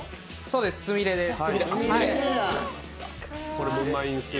つみれです。